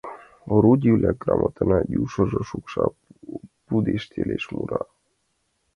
Орудий-влак гӱрмырат, южышто шӱшка, пудештылеш, мура...